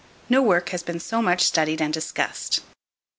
No work has been so much studied and discussed.